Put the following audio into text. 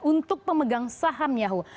untuk pemegang saham yahoo